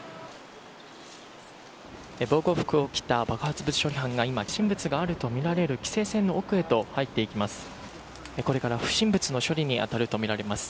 防護服を着た爆発物処理班が不審物があるとみられる規制線の奥に入っていきます。